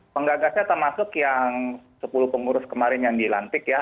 penggagasnya termasuk yang sepuluh pengurus kemarin yang dilantik ya